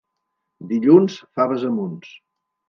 Dilluns, faves a munts.